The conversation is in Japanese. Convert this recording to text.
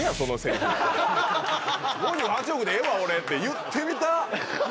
「５８億でええわ俺」って言ってみたい！